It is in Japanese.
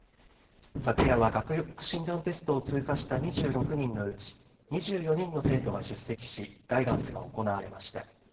昨夜は学力診断テストを通過した２６人のうち２４人の生徒が出席しガイダンスが行われました。